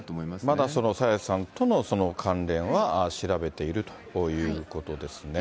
まだ朝芽さんとの関連は調べているということですね。